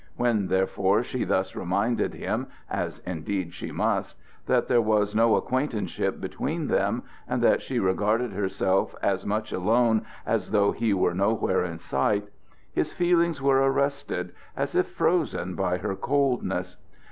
When, therefore, she thus reminded him, as indeed she must, that there was no acquaintanceship between them, and that she regarded herself as much alone as though he were nowhere in sight, his feelings were arrested as if frozen by her coldness.